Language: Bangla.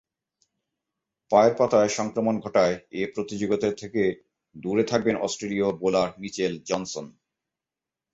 পায়ের পাতায় সংক্রমণ ঘটায় এ প্রতিযোগিতা থেকে দূরে থাকবেন অস্ট্রেলীয় বোলার মিচেল জনসন।